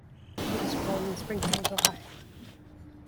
He was born in Springfield, Ohio.